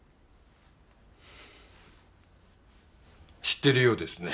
知ってるようですね。